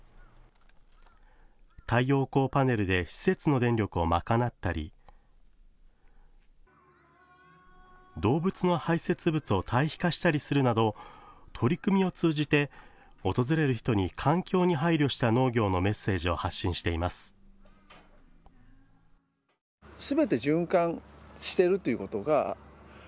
太陽光パネルで施設の電力を賄ったり、動物の排せつ物を堆肥化したりするなど取り組みを通じて、訪れる人に環境に配慮した農業のメッセージを発信しています。